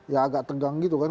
ya agak tegang gitu kan